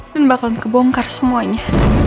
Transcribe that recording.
dan bakalan kebongkar semuanya